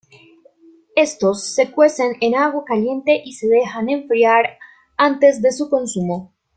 Estos se cuecen en agua caliente y se dejan enfriar antes de su consumo.